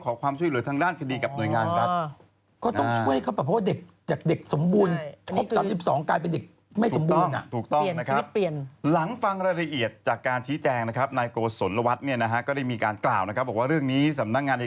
ขอความช่วยเหลือทางด้านคดีกับหน่วยงานเข้าไป